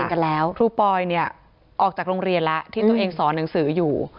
ครูปลอยเนี่ยออกจากโรงเรียนล่ะที่ตัวเองสอนหนังสืออยู่